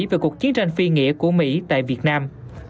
về cuộc chiến tranh phi nghĩa của mỹ tại việt nam